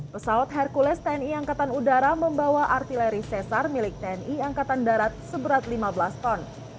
pesawat hercules tni angkatan udara membawa artileri sesar milik tni angkatan darat seberat lima belas ton